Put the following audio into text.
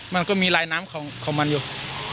มันก็มีลายน้ำของมันอยู่